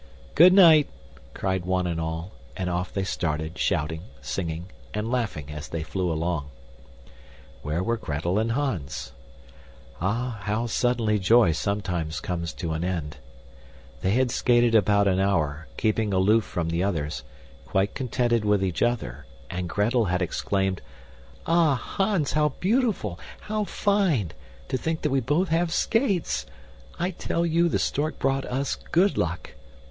"Good night!" cried one and all, and off they started, shouting, singing, and laughing as they flew along. Where were Gretel and Hans? Ah, how suddenly joy sometimes comes to an end! They had skated about an hour, keeping aloof from the others, quite contented with each other, and Gretel had exclaimed, "Ah, Hans, how beautiful! How fine! To think that we both have skates! I tell you, the stork brought us good luck!"